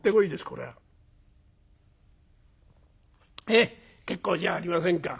へえ結構じゃありませんか」。